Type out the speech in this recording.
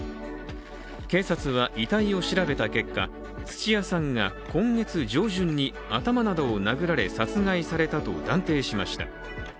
警察は、遺体を調べた結果、土屋さんが今月上旬に頭などを殴られ殺害されたと断定しました。